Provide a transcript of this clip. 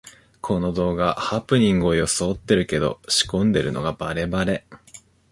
この動画、ハプニングをよそおってるけど仕込んでるのがバレバレ